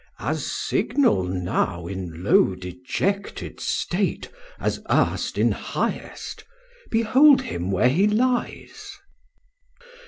Chor: As signal now in low dejected state, As earst in highest; behold him where he lies.